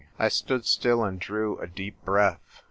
I stood still and drew a deep breath.